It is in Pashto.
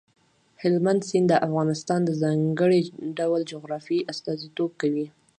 هلمند سیند د افغانستان د ځانګړي ډول جغرافیه استازیتوب کوي.